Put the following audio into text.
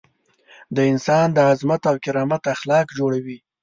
د انسان د عظمت او کرامت اخلاق جوړوي.